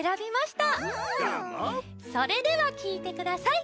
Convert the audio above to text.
それではきいてください。